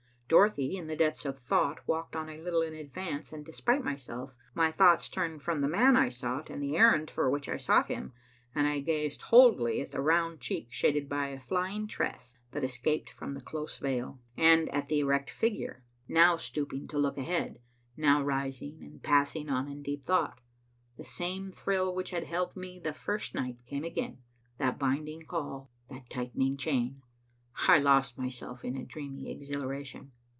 Dorothy, in the depths of thought, walked on a little in advance, and, despite myself, my thoughts turned from the man I sought and the errand for which I sought him, and I gazed wholly at the round cheek shaded by a flying tress that escaped from the close veil, and at the erect figure, now stooping to look ahead, now rising and passing on in deep thought. The same thrill which had held me the first night came again, that binding call, that tightening chain. I lost myself in a dreamy exhilaration.